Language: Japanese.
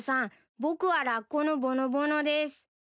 僕はラッコのぼのぼのです。